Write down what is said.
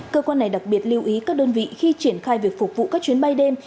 cơ quan này đặc biệt lưu ý các đơn vị khi triển khai việc phục vụ các chuyến bay đêm